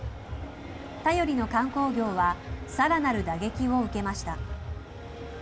頼りの観光業はさらなる打撃を受けました。